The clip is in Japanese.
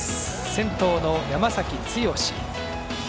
先頭の山崎剛。